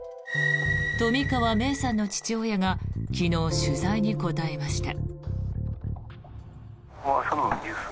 冨川芽生さんの父親が昨日、取材に答えました。